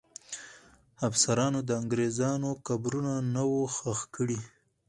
افسرانو د انګریزانو قبرونه نه وو ښخ کړي.